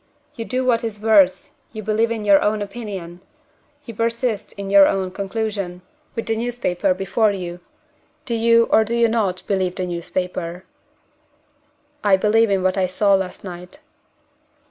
you do what is worse you believe in your own opinion; you persist in your own conclusion with the newspaper before you! Do you, or do you not, believe the newspaper?" "I believe in what I saw last night."